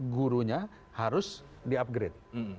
gurunya harus di upgrade